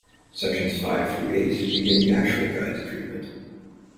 Sections Five through Eight begin the actual guide to treatment.